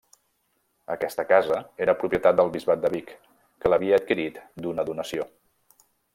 Aquesta casa era propietat del bisbat de Vic, que l'havia adquirit d'una donació.